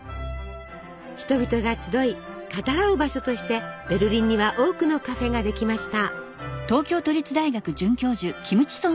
人々が集い語らう場所としてベルリンには多くのカフェができました。